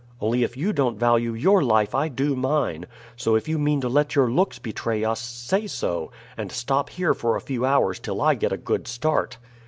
Only if you don't value your life I do mine; so if you mean to let your looks betray us, say so, and stop here for a few hours till I get a good start."